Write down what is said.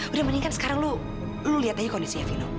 udah mendingan sekarang lu lu liat aja kondisinya vino